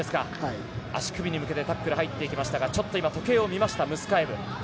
足首に向けてタックル入ってきましたが今、時計を見ましたムスカエブ。